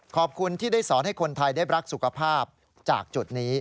ขอบคุณที่ได้สอนให้คนไทยได้รักสุขภาพจากจุดนี้